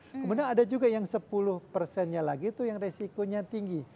kemudian ada juga yang sepuluh persennya lagi itu yang resikonya tinggi